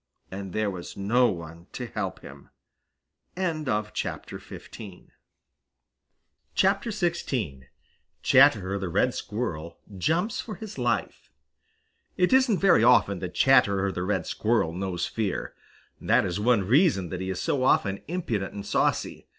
And there was no one to help him. XVI CHATTERER THE RED SQUIRREL JUMPS FOR HIS LIFE It isn't very often that Chatterer the Red Squirrel knows fear. That is one reason that he is so often impudent and saucy.